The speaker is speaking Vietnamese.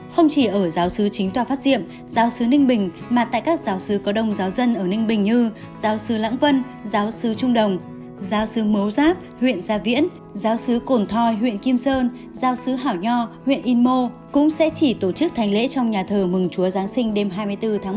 không chỉ ở giáo sứ chính tòa phát diệm giáo sứ ninh bình mà tại các giáo sứ có đông giáo dân ở ninh bình như giáo sư lãng vân giáo sứ trung đồng giáo sư mấu giáp huyện gia viễn giáo xứ cồn thoi huyện kim sơn giáo sứ hảo nho huyện yên mô cũng sẽ chỉ tổ chức thành lễ trong nhà thờ mừng chúa giáng sinh đêm hai mươi bốn tháng một